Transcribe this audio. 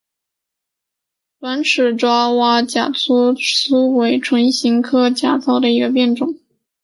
短齿爪哇假糙苏为唇形科假糙苏属下的一个变种。